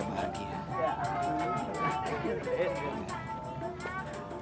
seneng bahagia kayak begini